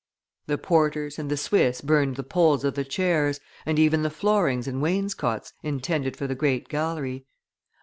The porters and the Swiss burned the poles of the chairs, and even the floorings and wainscots intended for the great gallery.